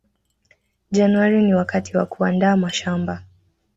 januari ni wakati wa kuandaa mashamba